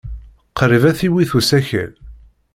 Qrib ay t-iwit usakal.